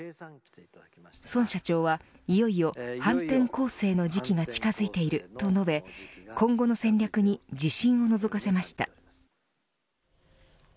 孫社長はいよいよ反転攻勢の時期が近づいていると述べ今後の戦略に自信をのぞかせました。